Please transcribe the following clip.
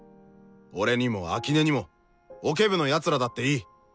俺にも秋音にもオケ部の奴らだっていい。